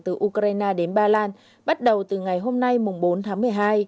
từ ukraine đến ba lan bắt đầu từ ngày hôm nay bốn tháng một mươi hai